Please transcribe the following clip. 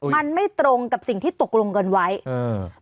มันไม่ตรงกับสิ่งที่ตกลงกันไว้อืม